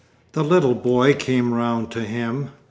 The little boy came round to him.